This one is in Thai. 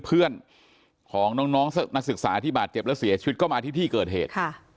เพื่อนของน้องนักศึกษาที่บาดเจ็บและเสียชีวิตก็มาที่ที่เกิดเหตุ